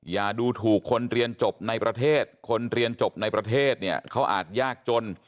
อย่าดูถูกคนเรียนจบในประเทศคนเรียนจบในประเทศเนี่ยเขาอาจยากจน